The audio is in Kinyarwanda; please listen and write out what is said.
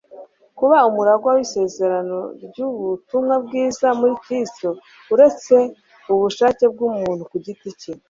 kuba umuragwa w'isezerano ry'ubutumwa bwiza muri Kristo uretse ubushake bw'umuntu ku giti cye.